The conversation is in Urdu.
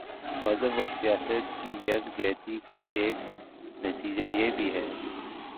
مذہب اور سیاست کی یک جائی کا ایک نتیجہ یہ بھی ہے۔